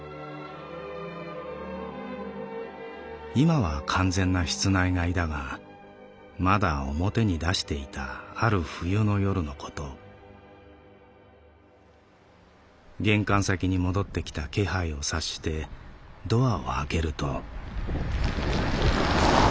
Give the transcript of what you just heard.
「いまは完全な室内飼いだがまだ表に出していたある冬の夜のこと玄関先に戻ってきた気配を察してドアを開けると」。